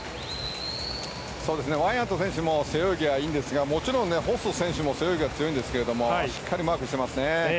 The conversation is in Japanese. ワイヤント選手も背泳ぎ強いんですがもちろんホッスー選手も背泳ぎは強いんですがしっかりマークしていますね。